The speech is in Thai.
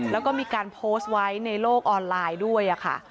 แล้วก็มีการโพสต์ไว้ในโลกออนไลน์ด้วยค่ะ